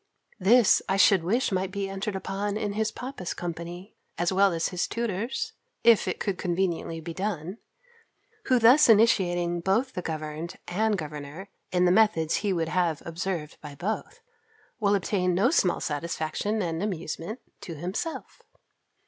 This I should wish might be entered upon in his papa's company, as well as his tutor's, if it could conveniently be done; who thus initiating both the governed and governor in the methods he would have observed by both, will obtain no small satisfaction and amusement to himself.